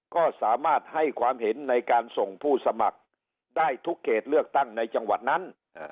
ก็สามารถให้ความเห็นในการส่งผู้สมัครได้ทุกเขตเลือกตั้งในจังหวัดนั้น